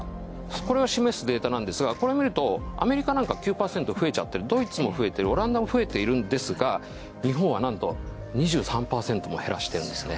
これを示すデータなんですがこれを見るとアメリカなんかは９％増えちゃってるドイツも増えてるオランダも増えているんですが日本はなんと２３％も減らしてるんですね。